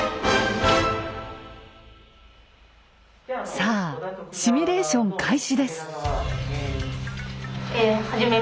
さあシミュレーション開始です。